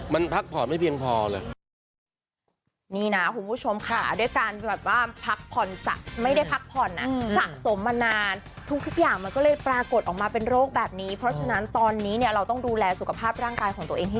มันพักผ่อนไม่เพียงพอเลย